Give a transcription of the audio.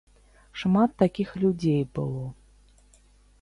Шмат такіх людзей было.